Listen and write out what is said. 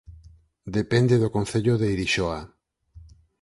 Depende do Concello de Irixoa